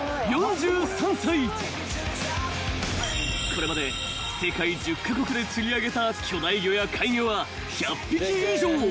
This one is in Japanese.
［これまで世界１０カ国で釣り上げた巨大魚や怪魚は１００匹以上］